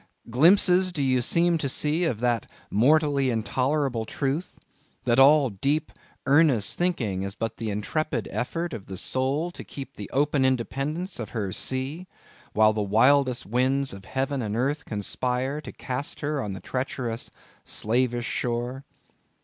Glimpses do ye seem to see of that mortally intolerable truth; that all deep, earnest thinking is but the intrepid effort of the soul to keep the open independence of her sea; while the wildest winds of heaven and earth conspire to cast her on the treacherous, slavish shore?